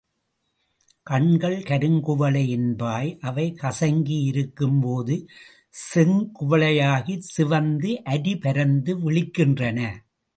கண்கள் கருங்குவளை என்பாய் அவை கசங்கி இருக்கும்போது செங்குவளையாகிச் சிவந்து அரி பரந்து விழிக்கின்றன.